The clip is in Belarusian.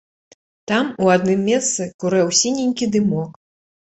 Там, у адным месцы, курэў сіненькі дымок.